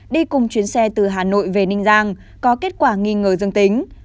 đi cùng chuyến xe từ hà nội về ninh giang có kết quả nghi ngờ dương tính